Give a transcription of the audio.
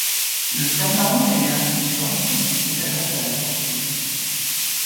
Le talent et intelligence sont toujours préférables à la force brute.